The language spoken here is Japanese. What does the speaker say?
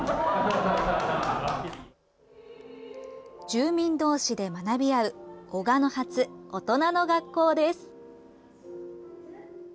住民同士で学び合うおがの発・大人の学校です。